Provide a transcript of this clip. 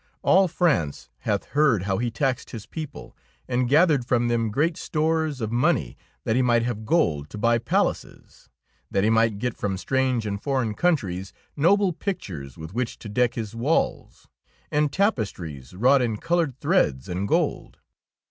All France hath heard how he taxed his people and gathered from them great stores of money that he might have gold to buy palaces, that he might get from strange and foreign countries noble pictures 2 17 DEEDS OF DABING with which to deck his walls, and tap estries wrought in coloured threads and gold.